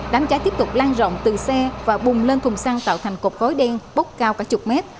đám cháy tiếp tục lan rộng từ xe và bùng lên thùng xăng tạo thành cột khói đen bốc cao cả chục mét